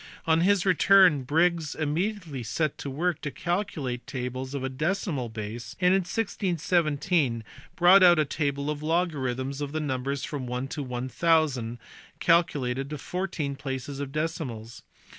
On his return Briggs im mediately^setTp^ work to calculate tables to a decimal base, and in 1617 he brought out a table of logarrthnis ofThenumbers from 1 to 1000 calculated to fourteen places of"" decimals.